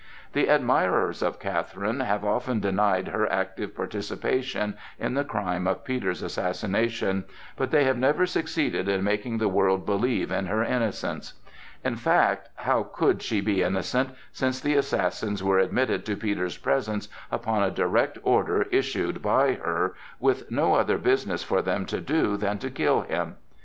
The admirers of Catherine have often denied her active participation in the crime of Peter's assassination; but they have never succeeded in making the world believe in her innocence. In fact, how could she be innocent, since the assassins were admitted to Peter's presence upon a direct order issued by her, with no other business for them to do than to kill him?